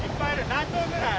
何頭ぐらい？